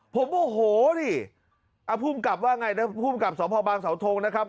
ผมโงโหถ้าผู้กับว่าไงพูมกับส่อพอปำฤติสริงอันนี้นะครับ